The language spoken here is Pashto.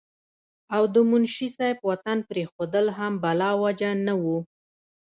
او د منشي صېب وطن پريښودل هم بلاوجه نه وو